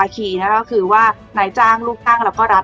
ก็คือว่านายจ้างลูกตั้งเราก็รับ